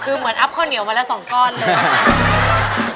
คือเหมือนอัพข้าวเหนียวมาละ๒ก้อนเลยอะค่ะ